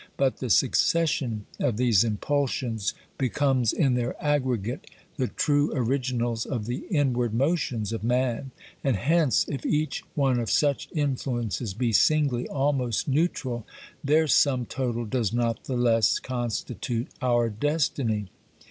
But the suc cession of these impulsions becomes in their aggregate the true originals of the inward motions of man, and hence, if each one of such influences be singly almost neutral, 6 OBERMANN their sum total does not the less constitute our destiny.